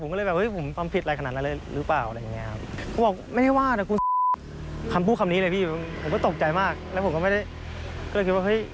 ผมก็เลยว่าผมทำผิดอะไรขนาดนั้นเลยหรือเปล่าอะไรอย่างนี้ครับ